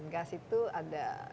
gas itu ada